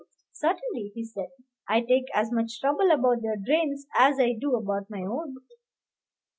"Certainly," he said; "I take as much trouble about their drains as I do about my own."